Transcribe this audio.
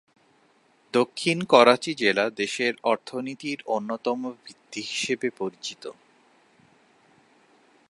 দক্ষিণ করাচি জেলা দেশের অর্থনীতির অন্যতম ভিত্তি হিসেবে পরিচিত।